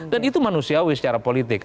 dan itu manusiawi secara politik